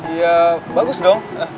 ya bagus dong